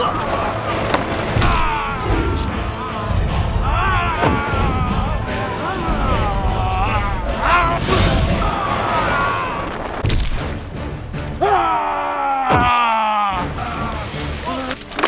kanjiratu lihat sendiri